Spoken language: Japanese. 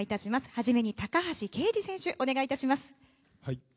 初めに、高橋奎二選手お願いいたします。